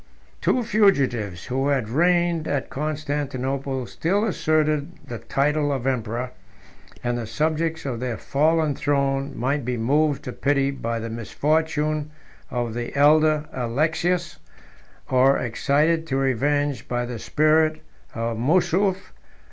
Ibid. p. 283. M.] Two fugitives, who had reigned at Constantinople, still asserted the title of emperor; and the subjects of their fallen throne might be moved to pity by the misfortunes of the elder Alexius, or excited to revenge by the spirit of Mourzoufle.